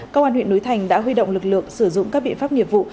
cơ quan huyện núi thành đã huy động lực lượng sử dụng các biện pháp nghiệp vụ